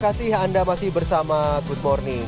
terima kasih anda masih bersama good morning